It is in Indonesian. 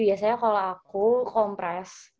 biasanya kalau aku compress